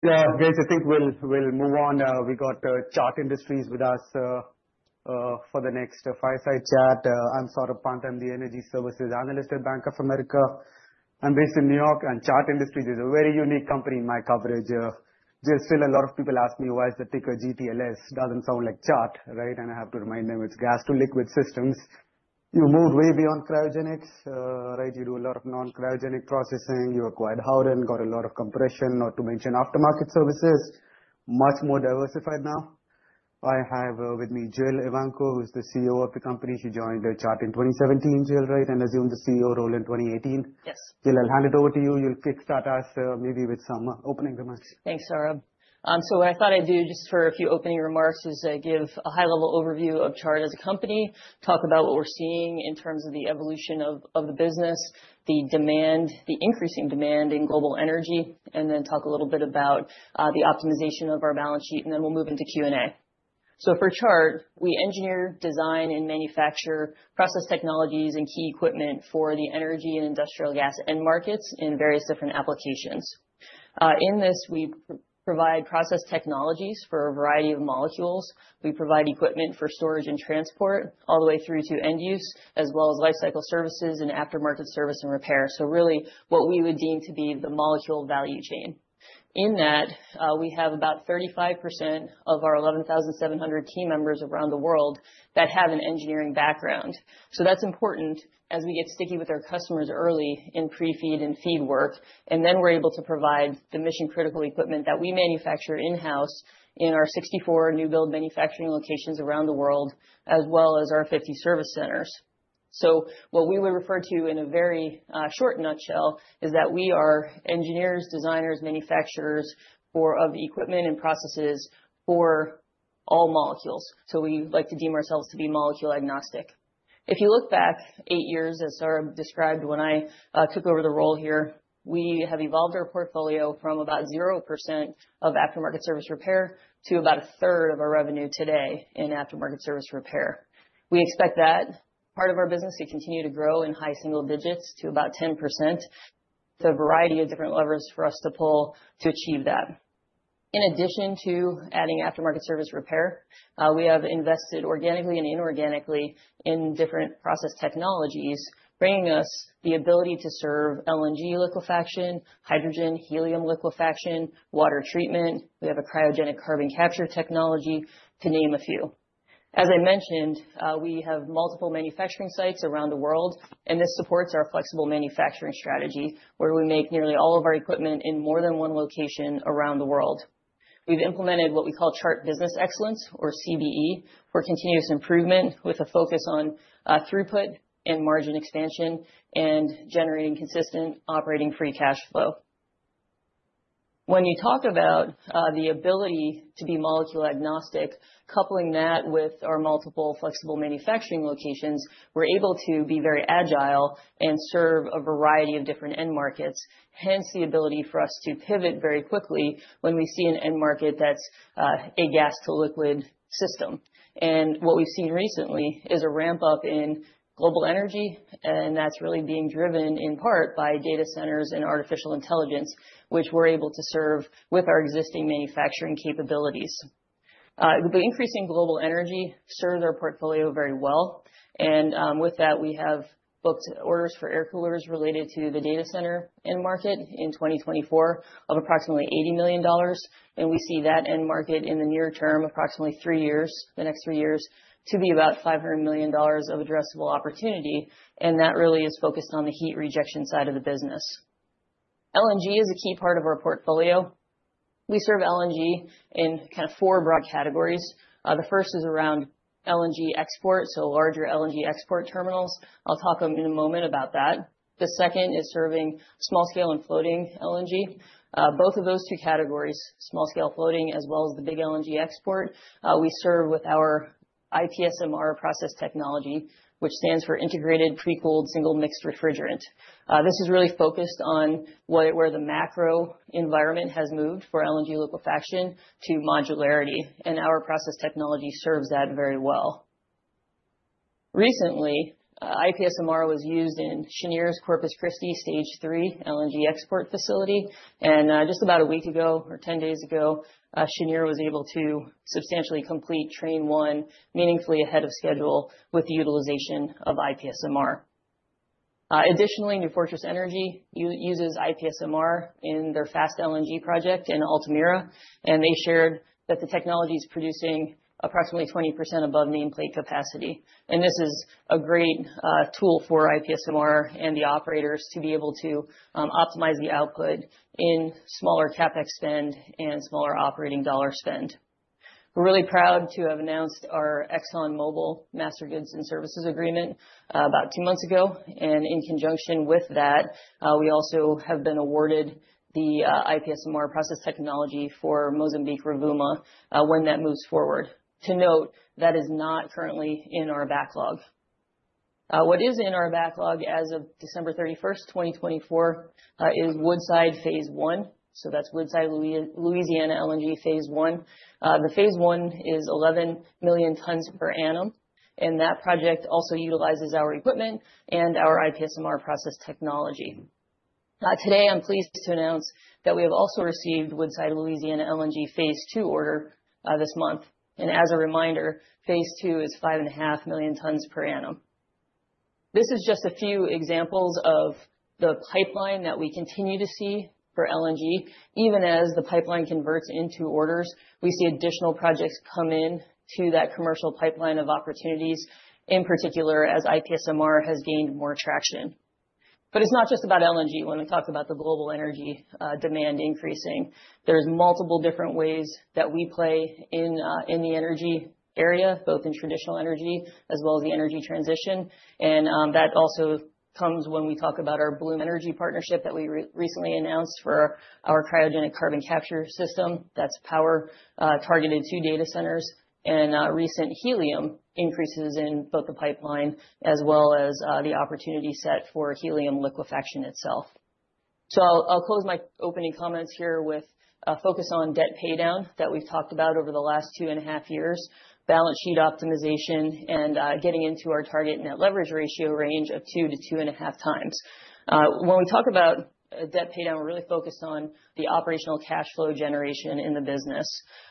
Yeah, guys, I think we'll, we'll move on. We got Chart Industries with us for the next fireside chat. I'm Saurabh Pant, I'm the energy services analyst at Bank of America. I'm based in New York, and Chart Industries is a very unique company in my coverage. There's still a lot of people ask me, why is the ticker GTLS? Doesn't sound like Chart, right? And I have to remind them, it's Gas to Liquid Systems. You moved way beyond cryogenics, right? You do a lot of non-cryogenic processing. You acquired Howden, got a lot of compression, not to mention aftermarket services. Much more diversified now. I have with me, Jill Evanko, who's the CEO of the company. She joined Chart in 2017, Jill, right? And assumed the CEO role in 2018. Yes. Jillian, I'll hand it over to you. You'll kick start us, maybe with some opening remarks. Thanks, Saurabh. So what I thought I'd do, just for a few opening remarks, is give a high-level overview of Chart as a company, talk about what we're seeing in terms of the evolution of the business, the demand, the increasing demand in global energy, and then talk a little bit about the optimization of our balance sheet, and then we'll move into Q&A. So for Chart, we engineer, design, and manufacture process technologies and key equipment for the energy and industrial gas end markets in various different applications. In this, we provide process technologies for a variety of molecules. We provide equipment for storage and transport all the way through to end use, as well as lifecycle services and aftermarket service and repair. So really, what we would deem to be the molecule value chain. In that, we have about 35% of our 11,700 team members around the world that have an engineering background. So that's important as we get sticky with our customers early in pre-feed and feed work, and then we're able to provide the mission-critical equipment that we manufacture in-house in our 64 new build manufacturing locations around the world, as well as our 50 service centers. So what we would refer to in a very short nutshell is that we are engineers, designers, manufacturers of equipment and processes for all molecules. So we like to deem ourselves to be molecule agnostic. If you look back eight years, as Saurabh described, when I took over the role here, we have evolved our portfolio from about 0% of aftermarket service repair to about a third of our revenue today in aftermarket service repair. We expect that part of our business to continue to grow in high single digits to about 10%. So a variety of different levers for us to pull to achieve that. In addition to adding aftermarket service repair, we have invested organically and inorganically in different process technologies, bringing us the ability to serve LNG liquefaction, hydrogen, helium liquefaction, water treatment. We have a cryogenic carbon capture technology, to name a few. As I mentioned, we have multiple manufacturing sites around the world, and this supports our flexible manufacturing strategy, where we make nearly all of our equipment in more than one location around the world. We've implemented what we call Chart Business Excellence, or CBE, for continuous improvement, with a focus on throughput and margin expansion, and generating consistent operating free cash flow. When you talk about the ability to be molecule agnostic, coupling that with our multiple flexible manufacturing locations, we're able to be very agile and serve a variety of different end markets, hence the ability for us to pivot very quickly when we see an end market that's a gas to liquid system. And what we've seen recently is a ramp up in global energy, and that's really being driven in part by data centers and artificial intelligence, which we're able to serve with our existing manufacturing capabilities. The increasing global energy served our portfolio very well, and with that, we have booked orders for air coolers related to the data center end market in 2024 of approximately $80 million, and we see that end market in the near term, approximately three years, the next three years, to be about $500 million of addressable opportunity, and that really is focused on the heat rejection side of the business. LNG is a key part of our portfolio. We serve LNG in kind of four broad categories. The first is around LNG export, so larger LNG export terminals. I'll talk in a moment about that. The second is serving small-scale and floating LNG. Both of those two categories, small-scale floating as well as the big LNG export, we serve with our IPSMR process technology, which stands for Integrated Pre-Cooled Single Mixed Refrigerant. This is really focused on where the macro environment has moved for LNG liquefaction to modularity, and our process technology serves that very well. Recently, IPSMR was used in Cheniere's Corpus Christi stage three LNG export facility, and just about a week ago or 10 days ago, Cheniere was able to substantially complete train one meaningfully ahead of schedule with the utilization of IPSMR. Additionally, New Fortress Energy uses IPSMR in their fast LNG project in Altamira, and they shared that the technology is producing approximately 20% above nameplate capacity. This is a great tool for IPSMR and the operators to be able to optimize the output in smaller CapEx spend and smaller operating dollar spend. We're really proud to have announced our ExxonMobil Master Goods and Services agreement about two months ago, and in conjunction with that, we also have been awarded the IPSMR process technology for Mozambique Rovuma when that moves forward. To note, that is not currently in our backlog. What is in our backlog as of December 31, 2024, is Woodside Phase One, so that's Woodside Louisiana LNG Phase One. The Phase One is 11 million tons per annum, and that project also utilizes our equipment and our IPSMR process technology. Today, I'm pleased to announce that we have also received Woodside Louisiana LNG Phase Two order this month. As a reminder, Phase Two is 5.5 million tons per annum. This is just a few examples of the pipeline that we continue to see for LNG. Even as the pipeline converts into orders, we see additional projects come into that commercial pipeline of opportunities, in particular, as IPSMR has gained more traction. It's not just about LNG when we talk about the global energy demand increasing. There's multiple different ways that we play in the energy area, both in traditional energy as well as the energy transition, and that also comes when we talk about our Bloom Energy partnership that we recently announced for our cryogenic carbon capture system. That's power targeted to data centers, and recent helium increases in both the pipeline as well as the opportunity set for helium liquefaction itself. So I'll close my opening comments here with a focus on debt paydown that we've talked about over the last two and a half years, balance sheet optimization, and getting into our target net leverage ratio range of 2-2.5 times. When we talk about debt paydown, we're really focused on the operational cash flow generation in the business.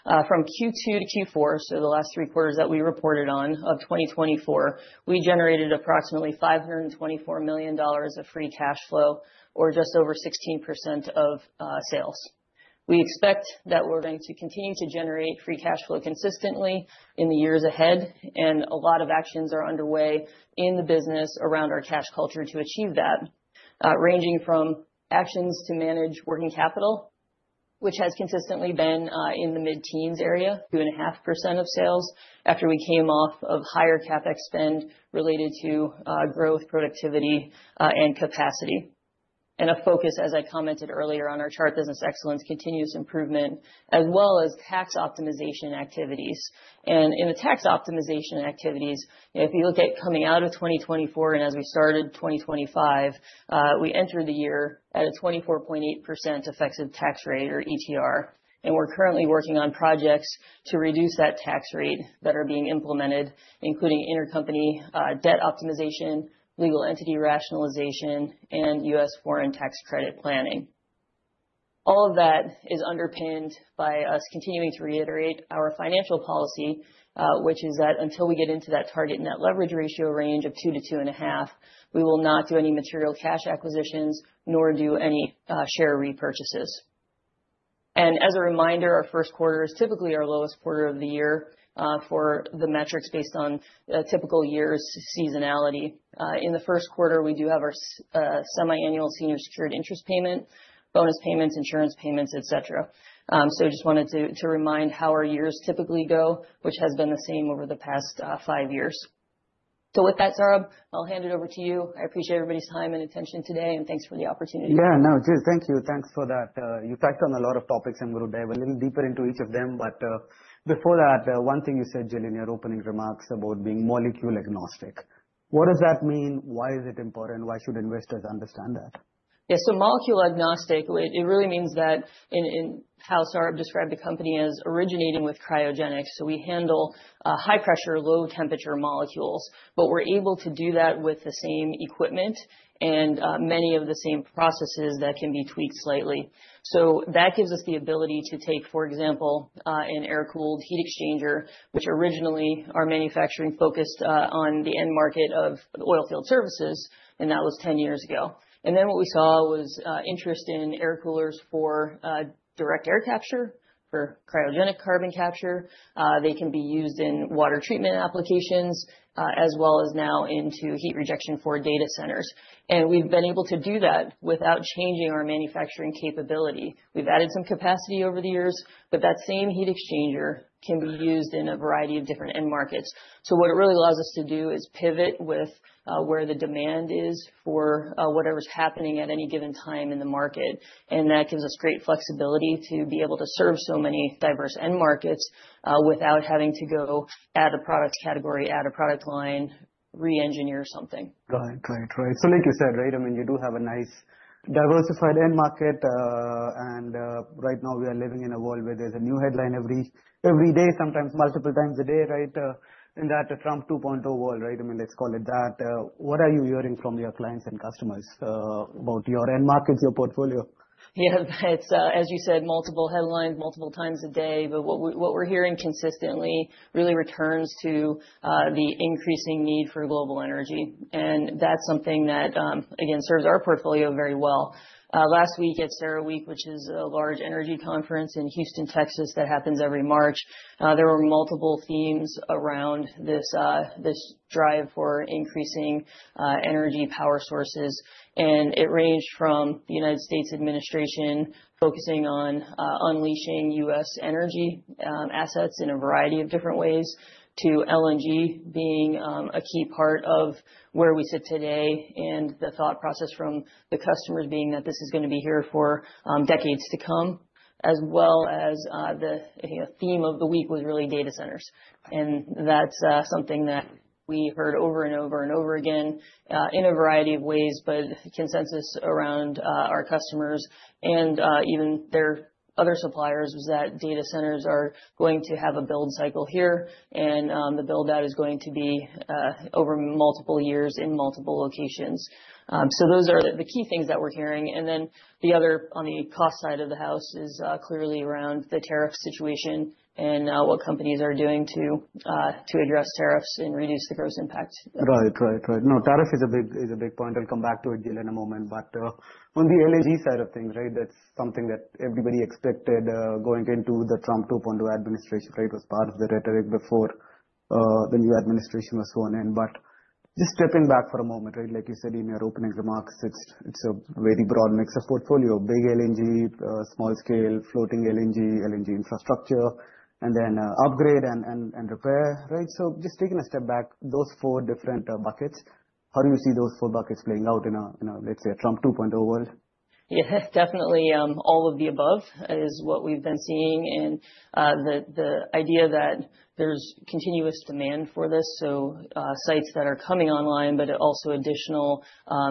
From Q2 to Q4, so the last three quarters that we reported on, of 2024, we generated approximately $524 million of free cash flow, or just over 16% of sales. We expect that we're going to continue to generate free cash flow consistently in the years ahead, and a lot of actions are underway in the business around our cash culture to achieve that, ranging from actions to manage working capital, which has consistently been in the mid-teens area, 2.5% of sales, after we came off of higher CapEx spend related to growth, productivity, and capacity. And a focus, as I commented earlier on our Chart business excellence, continuous improvement, as well as tax optimization activities. In the tax optimization activities, if you look at coming out of 2024 and as we started 2025, we entered the year at a 24.8% effective tax rate, or ETR, and we're currently working on projects to reduce that tax rate that are being implemented, including intercompany debt optimization, legal entity rationalization, and U.S. foreign tax credit planning. All of that is underpinned by us continuing to reiterate our financial policy, which is that until we get into that target net leverage ratio range of 2-2.5, we will not do any material cash acquisitions nor do any share repurchases. As a reminder, our first quarter is typically our lowest quarter of the year for the metrics based on typical years' seasonality. In the first quarter, we do have our semiannual senior secured interest payment, bonus payments, insurance payments, et cetera. So just wanted to remind how our years typically go, which has been the same over the past five years. So with that, Saurabh, I'll hand it over to you. I appreciate everybody's time and attention today, and thanks for the opportunity. Yeah, no, Jill, thank you. Thanks for that. You touched on a lot of topics, and we'll dive a little deeper into each of them. But, before that, one thing you said, Jill, in your opening remarks about being molecule agnostic, what does that mean? Why is it important? Why should investors understand that? Yeah, so molecule agnostic, it really means that in how Saurabh described the company as originating with cryogenics, so we handle high pressure, low temperature molecules, but we're able to do that with the same equipment and many of the same processes that can be tweaked slightly. So that gives us the ability to take, for example, an air-cooled heat exchanger, which originally our manufacturing focused on the end market of oil field services, and that was 10 years ago. And then what we saw was interest in air coolers for direct air capture, for cryogenic carbon capture. They can be used in water treatment applications, as well as now into heat rejection for data centers. And we've been able to do that without changing our manufacturing capability. We've added some capacity over the years, but that same heat exchanger can be used in a variety of different end markets. So what it really allows us to do is pivot with where the demand is for whatever's happening at any given time in the market, and that gives us great flexibility to be able to serve so many diverse end markets without having to go add a product category, add a product line, reengineer something. Got it. Great. Great. So like you said, right, I mean, you do have a nice diversified end market, and right now we are living in a world where there's a new headline every day, sometimes multiple times a day, right? In that Trump 2.0 world, right, I mean, let's call it that. What are you hearing from your clients and customers about your end markets, your portfolio? Yeah, it's, as you said, multiple headlines, multiple times a day, but what we, what we're hearing consistently really returns to, the increasing need for global energy, and that's something that, again, serves our portfolio very well. Last week at CERAWeek, which is a large energy conference in Houston, Texas, that happens every March, there were multiple themes around this, this drive for increasing, energy power sources. And it ranged from the United States administration focusing on, unleashing U.S. energy, assets in a variety of different ways, to LNG being, a key part of where we sit today, and the thought process from the customers being that this is gonna be here for, decades to come, as well as, the, the theme of the week was really data centers. And that's, something that. We heard over and over and over again in a variety of ways, but the consensus around our customers and even their other suppliers was that data centers are going to have a build cycle here, and the build-out is going to be over multiple years in multiple locations. So those are the key things that we're hearing. And then the other, on the cost side of the house, is clearly around the tariff situation and what companies are doing to address tariffs and reduce the gross impact. Right. Right, right. No, tariff is a big, is a big point. I'll come back to it, Jill, in a moment. But on the LNG side of things, right, that's something that everybody expected going into the Trump 2.0 administration, right? It was part of the rhetoric before the new administration was sworn in. But just stepping back for a moment, right, like you said in your opening remarks, it's a very broad mix of portfolio, big LNG small scale, floating LNG, LNG infrastructure, and then upgrade and repair, right? So just taking a step back, those four different buckets, how do you see those four buckets playing out in a, in a, let's say, a Trump 2.0 world? Yeah, definitely, all of the above is what we've been seeing. And, the idea that there's continuous demand for this, so, sites that are coming online, but also additional,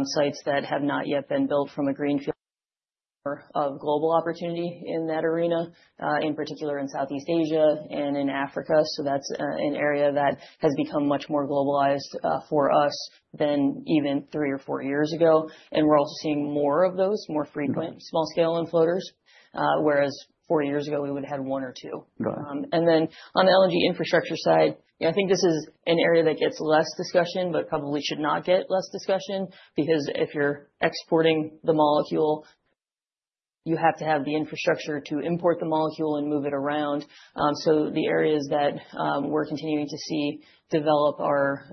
sites that have not yet been built from a greenfield of global opportunity in that arena, in particular in Southeast Asia and in Africa. So that's, an area that has become much more globalized, for us, than even three or four years ago. And we're also seeing more of those, more frequent, small scale and floaters, whereas four years ago we would've had one or two. Got it. And then on the LNG infrastructure side, yeah, I think this is an area that gets less discussion, but probably should not get less discussion, because if you're exporting the molecule, you have to have the infrastructure to import the molecule and move it around. So the areas that we're continuing to see develop are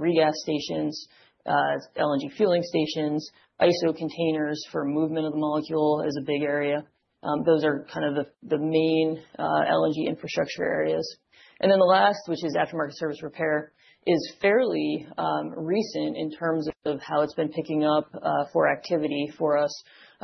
regas stations, LNG fueling stations, ISO containers for movement of the molecule is a big area. Those are kind of the main LNG infrastructure areas. And then the last, which is aftermarket service repair, is fairly recent in terms of how it's been picking up for activity for us.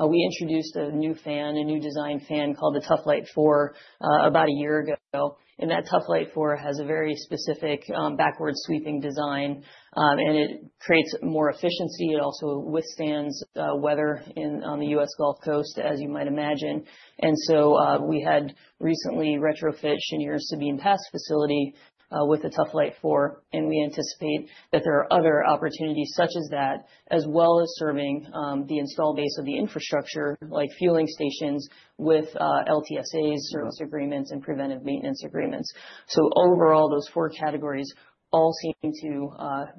We introduced a new fan, a new design fan, called the Tough Light four, about a year ago. And that Tough Light 4 has a very specific, backward-sweeping design, and it creates more efficiency. It also withstands weather on the U.S. Gulf Coast, as you might imagine. And so, we had recently retrofit Cheniere's Sabine Pass facility, with the Tough Light 4, and we anticipate that there are other opportunities such as that, as well as serving the install base of the infrastructure, like fueling stations with LTSA service agreements and preventive maintenance agreements. So overall, those four categories all seem to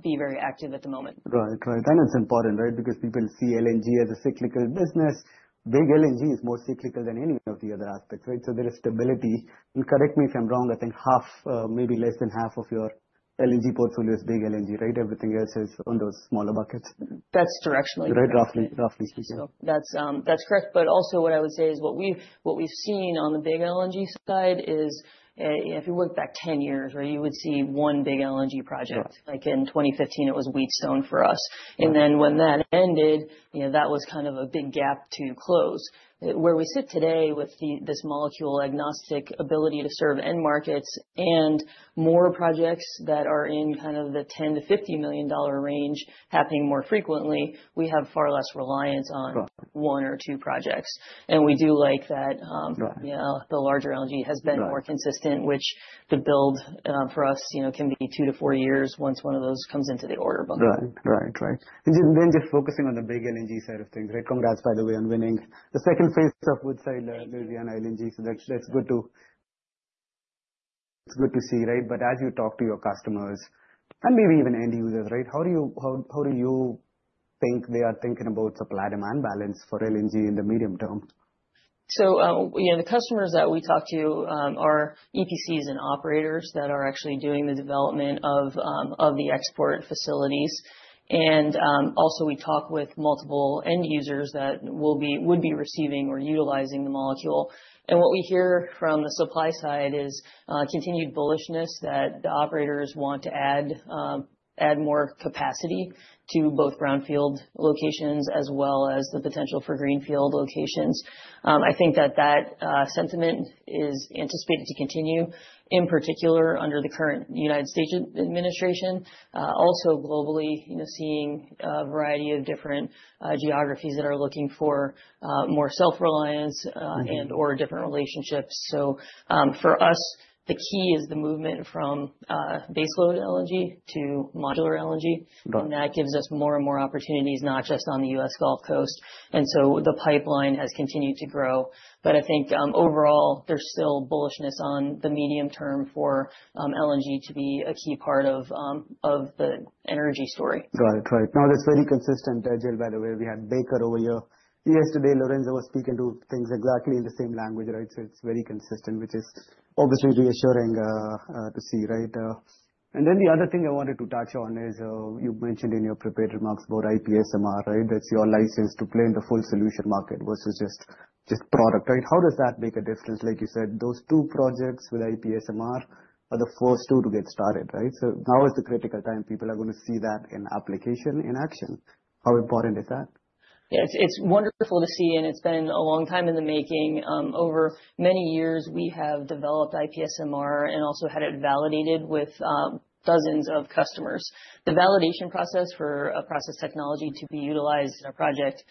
be very active at the moment. Right. Right. That is important, right? Because people see LNG as a cyclical business. Big LNG is more cyclical than any of the other aspects, right? So there is stability. And correct me if I'm wrong, I think half, maybe less than half of your LNG portfolio is big LNG, right? Everything else is on those smaller buckets. That's directionally. Right. Roughly, roughly speaking. So that's correct. But also what I would say is what we've, what we've seen on the big LNG side is, if you went back 10 years, right, you would see 1 big LNG project. Right. Like in 2015, it was Wheatstone for us. Right. And then when that ended, you know, that was kind of a big gap to close. Where we sit today with the, this molecule-agnostic ability to serve end markets and more projects that are in kind of the $10 million-$50 million range happening more frequently, we have far less reliance on one or two projects, and we do like that, Right. You know, the larger LNG has been. Right More consistent, which the build, for us, you know, can be 2-4 years once one of those comes into the order book. Right. Right, right. And just, then just focusing on the big LNG side of things, right? Congrats, by the way, on winning the second phase of Woodside, Louisiana LNG. So that's, that's good to, it's good to see, right? But as you talk to your customers, and maybe even end users, right, how do you, how, how do you think they are thinking about supply-demand balance for LNG in the medium term? So, you know, the customers that we talk to are EPCs and operators that are actually doing the development of the export facilities. And, also, we talk with multiple end users that would be receiving or utilizing the molecule. And what we hear from the supply side is continued bullishness that the operators want to add more capacity to both brownfield locations as well as the potential for greenfield locations. I think that sentiment is anticipated to continue, in particular, under the current United States administration. Also globally, you know, seeing a variety of different geographies that are looking for more self-reliance and/or different relationships. So, for us, the key is the movement from baseload LNG to modular LNG. Got it. That gives us more and more opportunities, not just on the U.S. Gulf Coast, and so the pipeline has continued to grow. I think, overall, there's still bullishness on the medium term for LNG to be a key part of the energy story. Right. Right. Now, that's very consistent, Jill, by the way, we had Baker over here yesterday. Lorenzo was speaking to things exactly in the same language, right? So it's very consistent, which is obviously reassuring to see, right? And then the other thing I wanted to touch on is you mentioned in your prepared remarks about IPSMR, right? That's your license to play in the full solution market versus just, just product, right? How does that make a difference? Like you said, those two projects with IPSMR are the first two to get started, right? So now is the critical time people are going to see that in application in action. How important is that? Yeah, it's, it's wonderful to see, and it's been a long time in the making. Over many years, we have developed IPSMR and also had it validated with dozens of customers. The validation process for a process technology to be utilized in a project,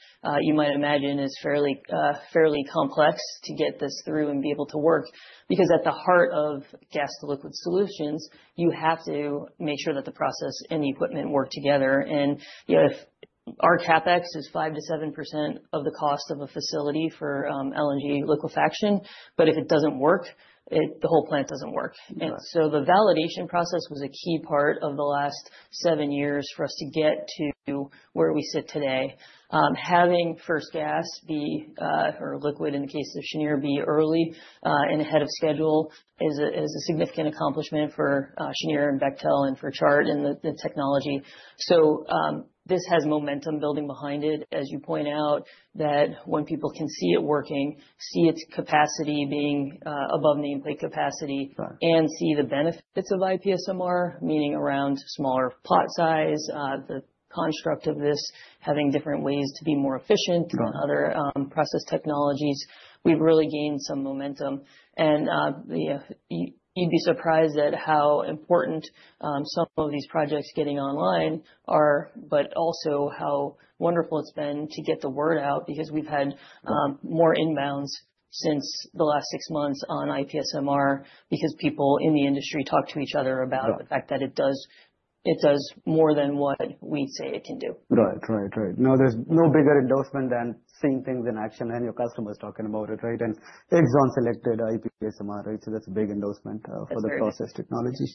you might imagine, is fairly complex to get this through and be able to work. Because at the heart of gas-to-liquid solutions, you have to make sure that the process and the equipment work together. If our CapEx is 5%-7% of the cost of a facility for LNG liquefaction, but if it doesn't work, the whole plant doesn't work. So the validation process was a key part of the last 7 years for us to get to where we sit today. Having first gas be, or liquid, in the case of Cheniere, be early, and ahead of schedule is a significant accomplishment for Cheniere and Bechtel and for Chart and the technology. So, this has momentum building behind it, as you point out, that when people can see it working, see its capacity being above the nameplate capacity. Right. And see the benefits of IPSMR, meaning around smaller plot size, the construct of this, having different ways to be more efficient. Right. Other process technologies, we've really gained some momentum. And, yeah, you'd be surprised at how important some of these projects getting online are, but also how wonderful it's been to get the word out, because we've had more inbounds since the last six months on IPSMR, because people in the industry talk to each other about. Right. The fact that it does, it does more than what we say it can do. Right. Right, right. Now, there's no bigger endorsement than seeing things in action and your customers talking about it, right? Exxon selected IPSMR, right? So that's a big endorsement. That's right For the process technology.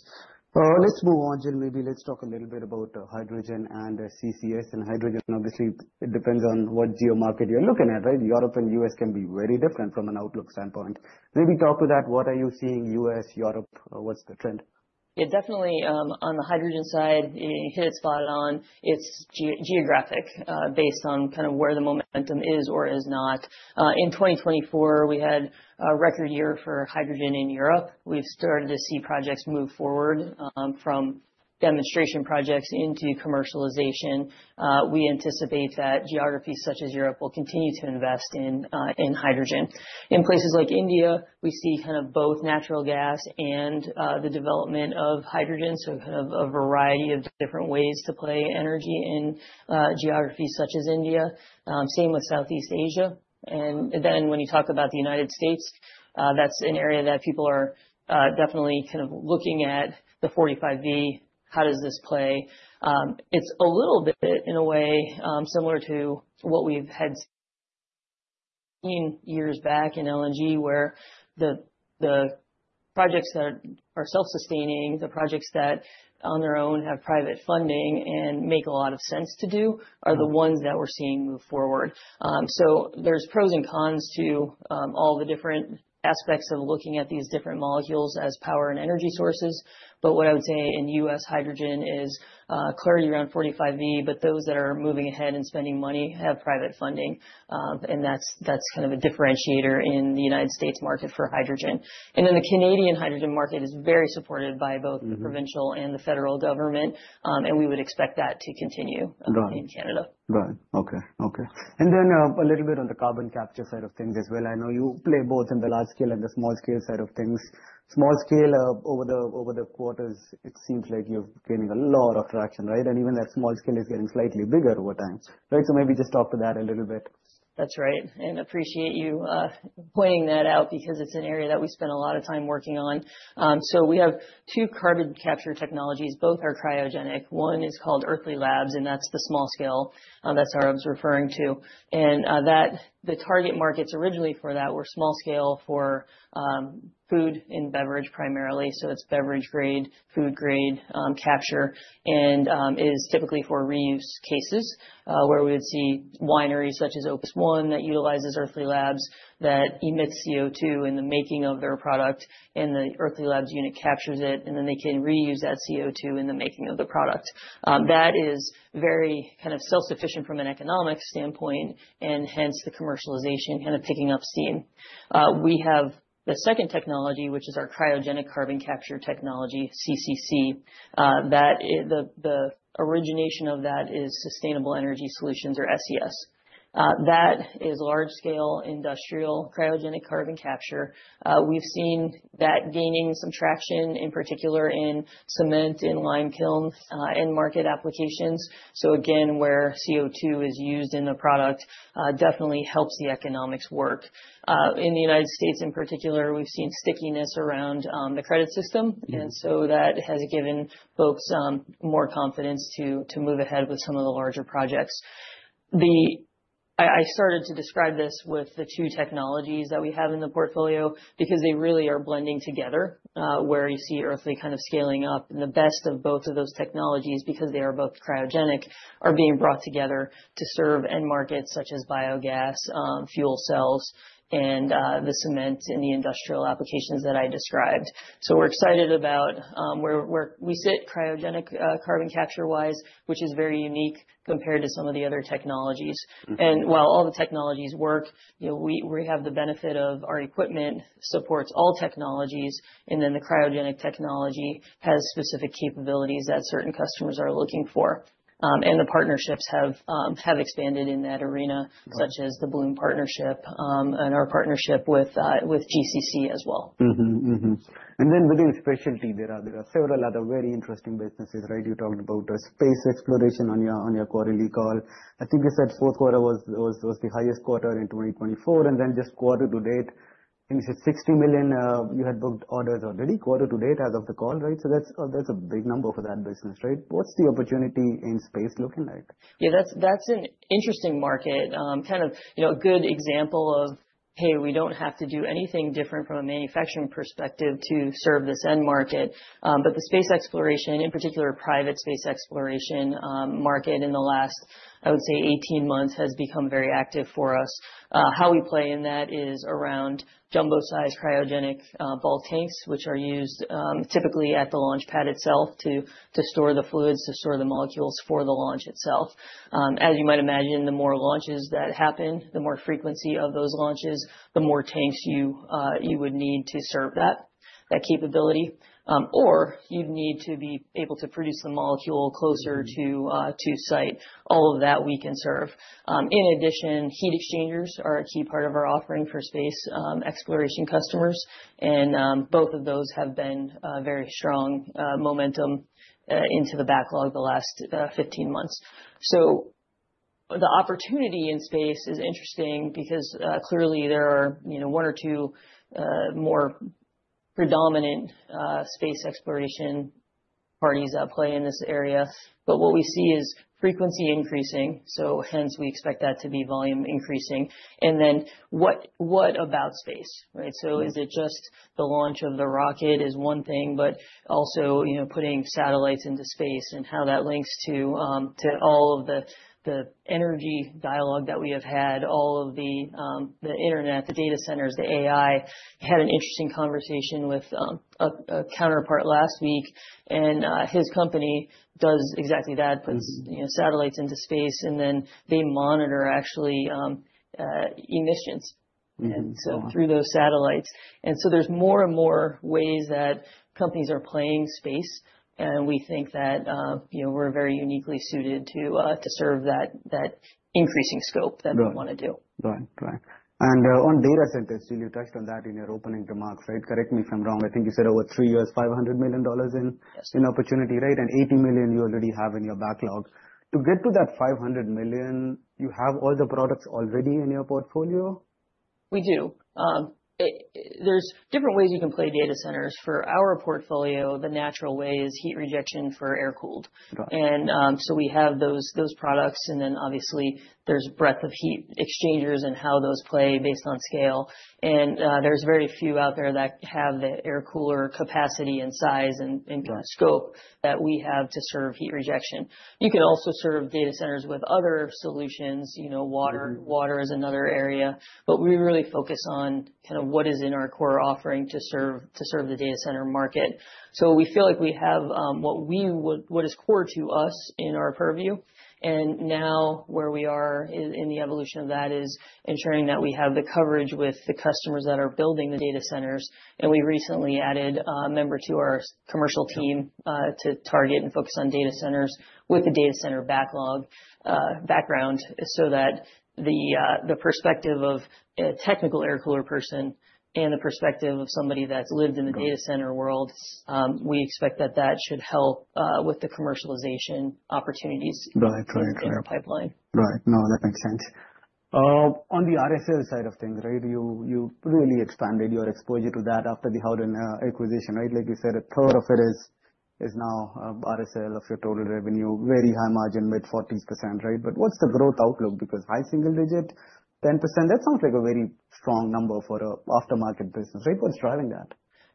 Let's move on. Maybe let's talk a little bit about hydrogen and CCS. And hydrogen, obviously, it depends on what geo market you're looking at, right? Europe and U.S. can be very different from an outlook standpoint. Maybe talk to that. What are you seeing, U.S., Europe, what's the trend? Yeah, definitely, on the hydrogen side, you hit it spot on. It's geographic, based on kind of where the momentum is or is not. In 2024, we had a record year for hydrogen in Europe. We've started to see projects move forward, from demonstration projects into commercialization. We anticipate that geographies such as Europe will continue to invest in hydrogen. In places like India, we see kind of both natural gas and the development of hydrogen, so kind of a variety of different ways to play energy in geographies such as India. Same with Southeast Asia. And then when you talk about the United States, that's an area that people are definitely kind of looking at the $45 billion. How does this play? It's a little bit, in a way, similar to what we've had seen years back in LNG, where the, the projects that are self-sustaining, the projects that on their own have private funding and make a lot of sense to do, are the ones that we're seeing move forward. So there's pros and cons to all the different aspects of looking at these different molecules as power and energy sources. But what I would say in U.S., hydrogen is clearly around $45 billion, but those that are moving ahead and spending money have private funding. And that's, that's kind of a differentiator in the United States market for hydrogen. And then the Canadian hydrogen market is very supported by both the provincial and the federal government. We would expect that to continue- Right. In Canada. Right. Okay. Okay. And then, a little bit on the carbon capture side of things as well. I know you play both in the large scale and the small scale side of things. Small scale, over the quarters, it seems like you're gaining a lot of traction, right? And even that small scale is getting slightly bigger over time. Right, so maybe just talk to that a little bit. That's right. And appreciate you pointing that out, because it's an area that we spend a lot of time working on. So we have two carbon capture technologies. Both are cryogenic. One is called Earthly Labs, and that's the small scale that Saurabh's referring to. The target markets originally for that were small scale for food and beverage, primarily. So it's beverage grade, food grade capture. It is typically for reuse cases where we would see wineries such as Opus One that utilizes Earthly Labs that emits CO2 in the making of their product, and the Earthly Labs unit captures it, and then they can reuse that CO2 in the making of the product. That is very kind of self-sufficient from an economic standpoint, and hence the commercialization kind of picking up steam. We have the second technology, which is our cryogenic carbon capture technology, CCC. That is the origination of that is Sustainable Energy Solutions, or SES. That is large scale industrial cryogenic carbon capture. We've seen that gaining some traction, in particular in cement and lime kiln end market applications. So again, where CO2 is used in the product, definitely helps the economics work. In the United States, in particular, we've seen stickiness around the credit system. And so that has given folks more confidence to move ahead with some of the larger projects. I started to describe this with the two technologies that we have in the portfolio, because they really are blending together, where you see Earthly kind of scaling up. And the best of both of those technologies, because they are both cryogenic, are being brought together to serve end markets such as biogas, fuel cells, and the cement and the industrial applications that I described. So we're excited about where we sit cryogenic carbon capture-wise, which is very unique compared to some of the other technologies. And while all the technologies work, you know, we have the benefit of our equipment supports all technologies, and then the cryogenic technology has specific capabilities that certain customers are looking for. The partnerships have expanded in that arena, such as the Bloom partnership, and our partnership with GCC as well. And then within specialty, there are several other very interesting businesses, right? You talked about space exploration on your quarterly call. I think you said fourth quarter was the highest quarter in 2024, and then just quarter to date, I think you said $60 million you had booked orders already, quarter to date as of the call, right? So that's a big number for that business, right? What's the opportunity in space looking like? Yeah, that's, that's an interesting market. Kind of, you know, a good example of, hey, we don't have to do anything different from a manufacturing perspective to serve this end market. But the space exploration, in particular, private space exploration, market in the last, I would say 18 months, has become very active for us. How we play in that is around jumbo-sized cryogenic, ball tanks, which are used, typically at the launch pad itself to, to store the fluids, to store the molecules for the launch itself. As you might imagine, the more launches that happen, the more frequency of those launches, the more tanks you, you would need to serve that, that capability, or you'd need to be able to produce the molecule closer to, to site. All of that we can serve. In addition, heat exchangers are a key part of our offering for space exploration customers, and both of those have been very strong momentum into the backlog the last 15 months. So the opportunity in space is interesting because clearly there are, you know, one or two more predominant space exploration parties at play in this area. But what we see is frequency increasing, so hence we expect that to be volume increasing. And then what, what about space, right? So is it just the launch of the rocket is one thing, but also, you know, putting satellites into space and how that links to to all of the, the energy dialogue that we have had, all of the, the internet, the data centers, the AI. Had an interesting conversation with a counterpart last week, and his company does exactly that. Puts, you know, satellites into space, and then they monitor, actually, emissions. So through those satellites. So there's more and more ways that companies are playing space, and we think that, you know, we're very uniquely suited to serve that increasing scope that they wanna do. Right. Right. And, on data centers, you touched on that in your opening remarks, right? Correct me if I'm wrong. I think you said over three years, $500 million in- Yes. In opportunity, right? And $80 million you already have in your backlog. To get to that $500 million, you have all the products already in your portfolio? We do. There's different ways you can play data centers. For our portfolio, the natural way is heat rejection for air-cooled. Got it. So we have those products, and then obviously there's breadth of heat exchangers and how those play based on scale. There's very few out there that have the air cooler capacity and size and scope that we have to serve heat rejection. You can also serve data centers with other solutions, you know, water. Water is another area. But we really focus on kind of what is in our core offering to serve, to serve the data center market. So we feel like we have what is core to us in our purview. And now where we are in the evolution of that is ensuring that we have the coverage with the customers that are building the data centers. And we recently added a member to our commercial team to target and focus on data centers with the data center background, so that the perspective of a technical air cooler person and the perspective of somebody that's lived in the data center world, we expect that that should help with the commercialization opportunities. Right. Right, right. In the pipeline. Right. No, that makes sense. On the RSL side of things, right, you really expanded your exposure to that after the Howden acquisition, right? Like you said, a third of it is now RSL of your total revenue, very high margin, mid-40%, right? But what's the growth outlook? Because high single digit, 10%, that sounds like a very strong number for an aftermarket business, right? What's driving that?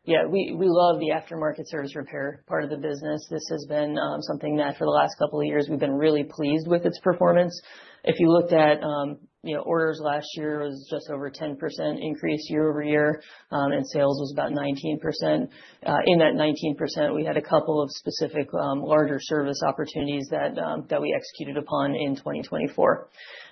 Yeah, we, we love the aftermarket service repair part of the business. This has been something that for the last couple of years, we've been really pleased with its performance. If you looked at, you know, orders last year was just over 10% increase year-over-year, and sales was about 19%. In that 19%, we had a couple of specific larger service opportunities that we executed upon in 2024.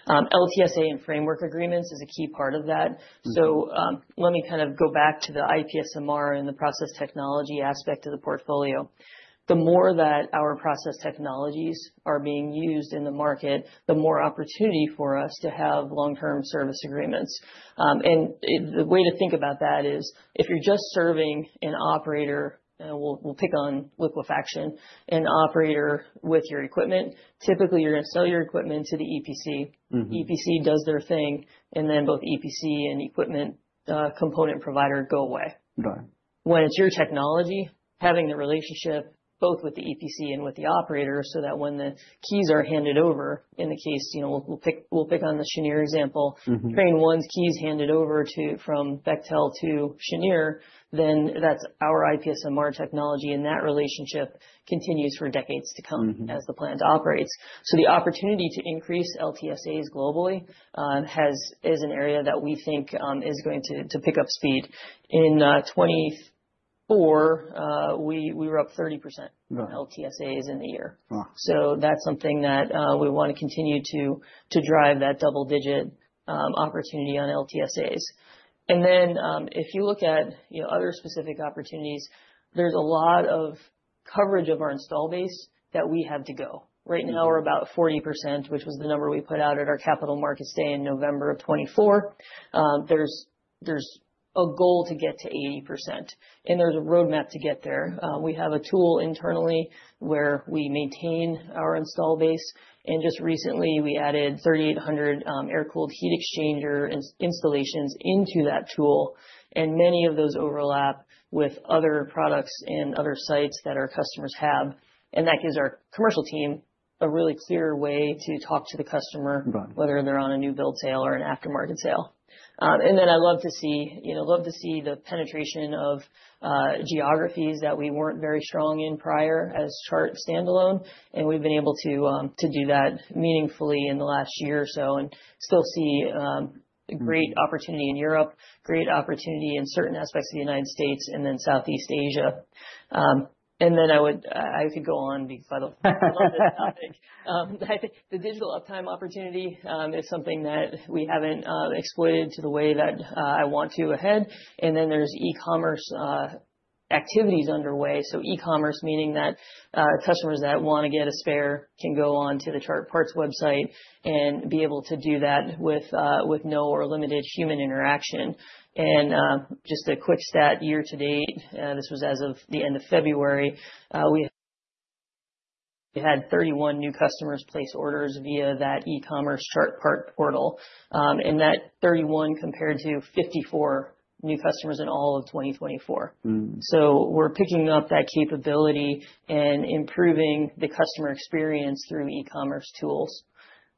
LTSA and framework agreements is a key part of that. Let me kind of go back to the IPSMR and the process technology aspect of the portfolio. The more that our process technologies are being used in the market, the more opportunity for us to have long-term service agreements. The way to think about that is, if you're just serving an operator, and we'll pick on liquefaction, an operator with your equipment, typically, you're going to sell your equipment to the EPC. EPC does their thing, and then both EPC and equipment component provider go away. Right. When it's your technology, having the relationship both with the EPC and with the operator, so that when the keys are handed over, in the case, you know, we'll pick on the Cheniere example. Trains on skids handed over to, from Bechtel to Cheniere, then that's our IPSMR technology, and that relationship continues for decades to come. As the plant operates. So the opportunity to increase LTSAs globally is an area that we think is going to pick up speed. In, we were up 30% on LTSAs in the year. Right. So that's something that we want to continue to drive that double digit opportunity on LTSAs. And then, if you look at, you know, other specific opportunities, there's a lot of coverage of our install base that we have to go. Right now, we're about 40%, which was the number we put out at our capital markets day in November of 2024. There's a goal to get to 80%, and there's a roadmap to get there. We have a tool internally where we maintain our install base, and just recently, we added 3,800 air-cooled heat exchanger installations into that tool, and many of those overlap with other products and other sites that our customers have. And that gives our commercial team a really clear way to talk to the customer- Got it. Whether they're on a new build sale or an aftermarket sale. And then I'd love to see, you know, love to see the penetration of geographies that we weren't very strong in prior as Chart standalone, and we've been able to do that meaningfully in the last year or so, and still see great opportunity in Europe, great opportunity in certain aspects of the United States, and then Southeast Asia. And then I would, I could go on because I love, I love this topic. I think the digital uptime opportunity is something that we haven't exploited to the way that I want to ahead. And then there's e-commerce activities underway. So e-commerce, meaning that, customers that want to get a spare can go on to the Chart Parts website and be able to do that with, with no or limited human interaction. And, just a quick stat, year to date, this was as of the end of February, we had 31 new customers place orders via that e-commerce Chart Parts portal. And that 31 compared to 54 new customers in all of 2024. So we're picking up that capability and improving the customer experience through e-commerce tools. So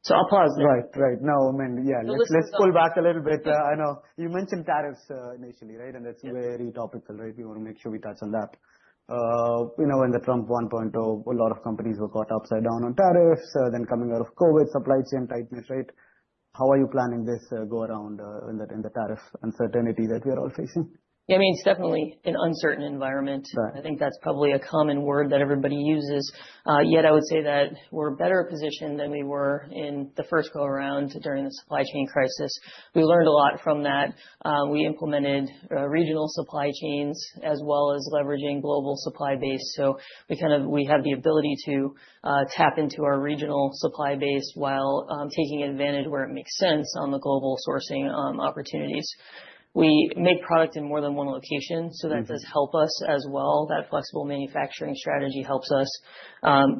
I'll pause there. Right. Right. No, I mean, yeah, let's pull back a little bit. I know you mentioned tariffs initially, right? Yes. That's very topical, right? We want to make sure we touch on that. You know, when the Trump 1.0, a lot of companies were caught upside down on tariffs, then coming out of COVID, supply chain tightness, right? How are you planning this go around, in the tariff uncertainty that we are all facing? I mean, it's definitely an uncertain environment. Right. I think that's probably a common word that everybody uses. Yet I would say that we're better positioned than we were in the first go around during the supply chain crisis. We learned a lot from that. We implemented regional supply chains as well as leveraging global supply base. So we kind of, we have the ability to tap into our regional supply base while taking advantage where it makes sense on the global sourcing opportunities. We make product in more than one location, so that does help us as well. That flexible manufacturing strategy helps us.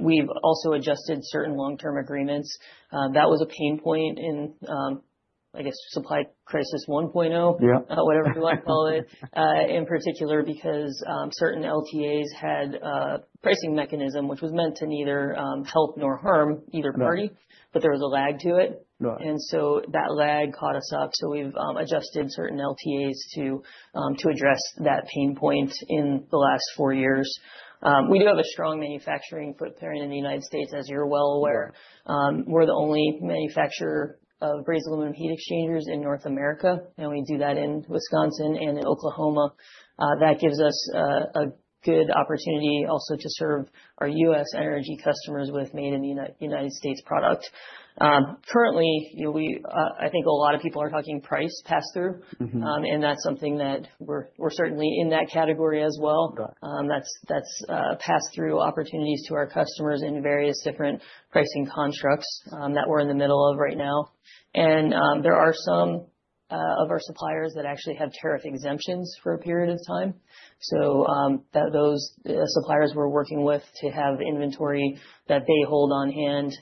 We've also adjusted certain long-term agreements. That was a pain point in I guess supply crisis 1.0. Yeah. Whatever you want to call it. In particular, because certain LTAs had a pricing mechanism, which was meant to neither help nor harm either party- Right. But there was a lag to it. Right. So that lag caught us up, so we've adjusted certain LTAs to address that pain point in the last four years. We do have a strong manufacturing footprint in the United States, as you're well aware. We're the only manufacturer of brazed aluminum heat exchangers in North America, and we do that in Wisconsin and in Oklahoma. That gives us a good opportunity also to serve our U.S. energy customers with made in the United States product. Currently, you know, we I think a lot of people are talking price pass-through. That's something that we're certainly in that category as well. Got it. That's pass-through opportunities to our customers in various different pricing constructs that we're in the middle of right now. There are some of our suppliers that actually have tariff exemptions for a period of time. Those suppliers we're working with to have inventory that they hold on hand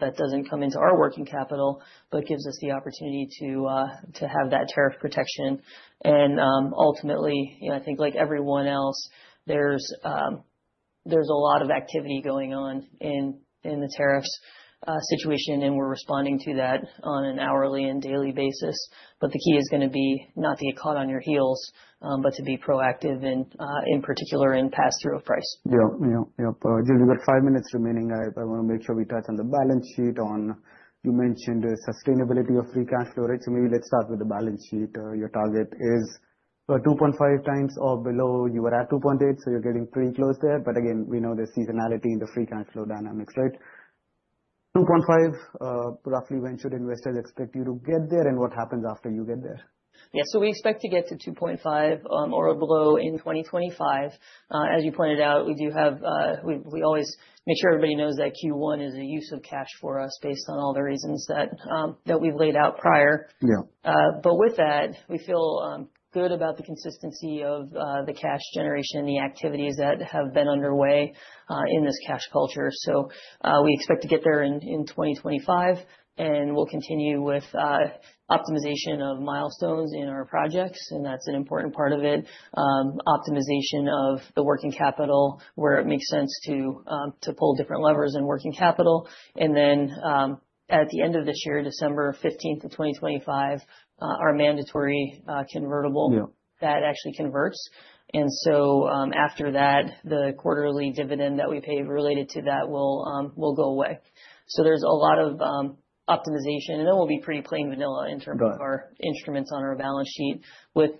that doesn't come into our working capital, but gives us the opportunity to have that tariff protection. Ultimately, you know, I think like everyone else, there's a lot of activity going on in the tariffs situation, and we're responding to that on an hourly and daily basis. The key is gonna be not to get caught on your heels, but to be proactive and in particular in pass-through of price. Yeah. Yeah. Yeah. We've got five minutes remaining. I want to make sure we touch on the balance sheet, on... You mentioned the sustainability of free cash flow, right? So maybe let's start with the balance sheet. Your target is, 2.5x or below. You were at 2.8, so you're getting pretty close there. But again, we know the seasonality and the free cash flow dynamics, right? 2.5x, roughly, when should investors expect you to get there, and what happens after you get there? Yeah, so we expect to get to 2.5, or below in 2025. As you pointed out, we do have, we always make sure everybody knows that Q1 is a use of cash for us, based on all the reasons that we've laid out prior. Yeah. But with that, we feel good about the consistency of the cash generation and the activities that have been underway in this cash culture. So we expect to get there in 2025, and we'll continue with optimization of milestones in our projects, and that's an important part of it. Optimization of the working capital, where it makes sense to pull different levers in working capital. And then at the end of this year, December fifteenth of 2025, our mandatory convertible- Yeah That actually converts. And so, after that, the quarterly dividend that we pay related to that will go away. So there's a lot of optimization, and it will be pretty plain vanilla in terms- Got it. Of our instruments on our balance sheet with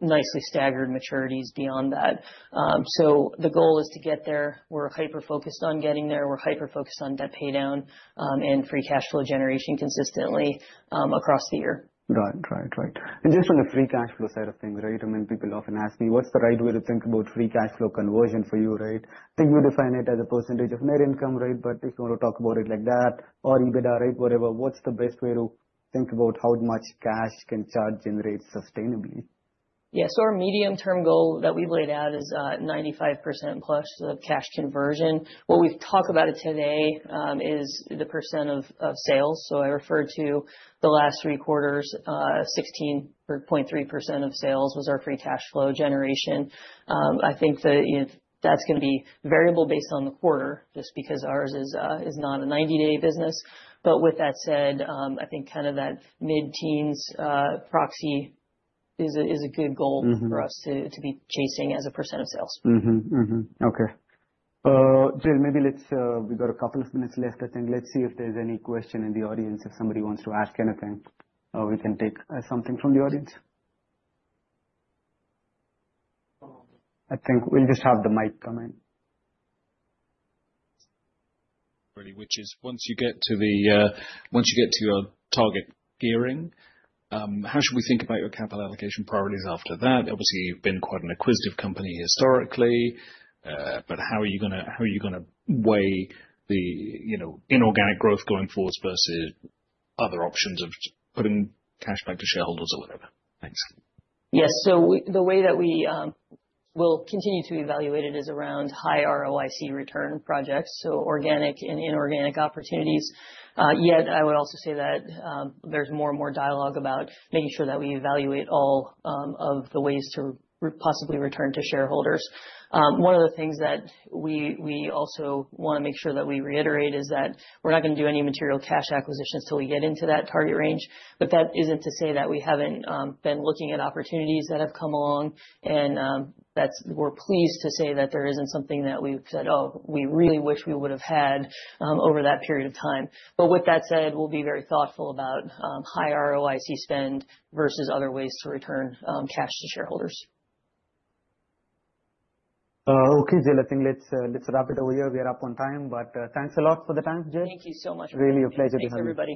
nicely staggered maturities beyond that. So the goal is to get there. We're hyper-focused on getting there. We're hyper-focused on debt pay down, and free cash flow generation consistently, across the year. Right. Right, right. And just on the free cash flow side of things, right? I mean, people often ask me, what's the right way to think about free cash flow conversion for you, right? I think we define it as a percentage of net income, right? But if you want to talk about it like that, or EBITDA, right, whatever, what's the best way to think about how much cash can Chart generate sustainably? Yes. So our medium-term goal that we've laid out is, 95%+ of cash conversion. What we've talked about it today, is the percent of, of sales. So I referred to the last three quarters, 16.3% of sales was our free cash flow generation. I think that that's going to be variable based on the quarter, just because ours is, is not a ninety-day business. But with that said, I think kind of that mid-teens, proxy is a good goal for us to be chasing as a % of sales. Okay. Jill, maybe let's, we've got a couple of minutes left. I think let's see if there's any question in the audience, if somebody wants to ask anything, we can take, something from the audience. I think we'll just have the mic come in. Really, which is once you get to your target gearing, how should we think about your capital allocation priorities after that? Obviously, you've been quite an acquisitive company historically, but how are you gonna weigh the, you know, inorganic growth going forward versus other options of just putting cash back to shareholders or whatever? Thanks. Yes. So the way that we will continue to evaluate it is around high ROIC return projects, so organic and inorganic opportunities. Yet, I would also say that there's more and more dialogue about making sure that we evaluate all of the ways to possibly return to shareholders. One of the things that we also wanna make sure that we reiterate is that we're not gonna do any material cash acquisitions till we get into that target range. But that isn't to say that we haven't been looking at opportunities that have come along, and that's... We're pleased to say that there isn't something that we've said, "Oh, we really wish we would have had," over that period of time. But with that said, we'll be very thoughtful about high ROIC spend versus other ways to return cash to shareholders. Okay, Jill. I think let's wrap it over here. We are up on time, but, thanks a lot for the time, Jill. Thank you so much. Really a pleasure to have you. Thanks, everybody.